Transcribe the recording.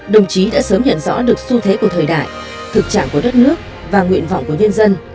đồng chí đã sớm nhận rõ được xu thế của thời đại thực trạng của đất nước và nguyện vọng của nhân dân